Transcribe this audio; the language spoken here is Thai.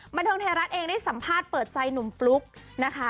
บันเทิงไทยรัฐเองได้สัมภาษณ์เปิดใจหนุ่มฟลุ๊กนะคะ